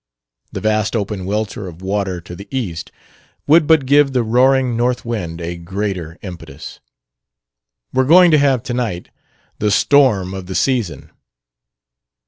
The vast open welter of water to the east would but give the roaring north wind a greater impetus. "We're going to have tonight, the storm of the season."